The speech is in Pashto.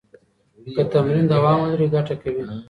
که تمرین دوام ولري، ګټه کوي.